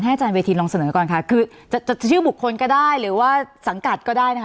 อาจารย์เวทีลองเสนอก่อนค่ะคือจะชื่อบุคคลก็ได้หรือว่าสังกัดก็ได้นะคะ